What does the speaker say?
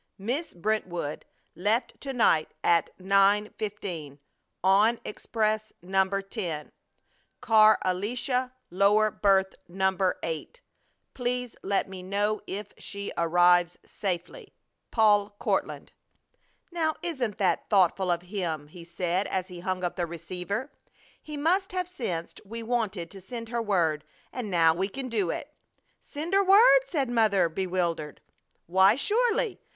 Miss Brentwood left to night at nine fifteen on express number ten, car Alicia lower berth number eight. Please let me know if she arrives safely. PAUL COURTLAND. "Now isn't that thoughtful of him!" he said, as he hung up the receiver. "He must have sensed we wanted to send her word, and now we can do it!" "Send her word!" said Mother, bewildered. "Why, surely!